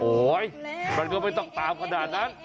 มันก็ไม่ต้องตามขนาดนั้น